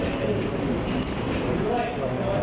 ที่มานักเธอร์มูลเทอร์